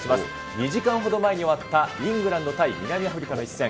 ２時間ほど前に終わったイングランド対南アフリカの一戦。